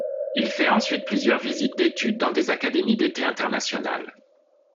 Il fait ensuite plusieurs visites d'étude dans des académies d'été internationales.